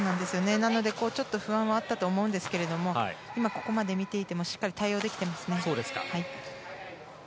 なので不安はあったと思うんですが今ここまで見ていてもしっかり対応できてますね。